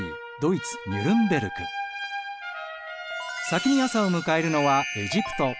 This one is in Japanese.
先に朝を迎えるのはエジプト。